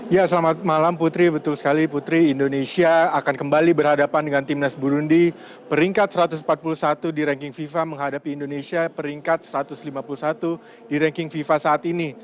ya selamat malam putri betul sekali putri indonesia akan kembali berhadapan dengan timnas burundi peringkat satu ratus empat puluh satu di ranking fifa menghadapi indonesia peringkat satu ratus lima puluh satu di ranking fifa saat ini